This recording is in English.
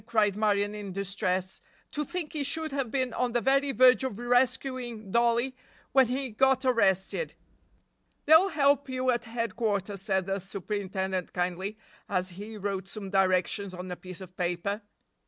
cried Marion in distress. "To think he should have been on the very verge of rescuing Dollie when he got arrested!" "They'll help you at headquarters," said the superintendent kindly, as he wrote some directions on a piece of paper.